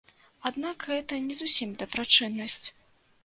Аднак гэта не зусім дабрачыннасць.